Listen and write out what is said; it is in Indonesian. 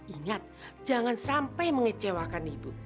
ingat jangan sampai mengecewakan ibu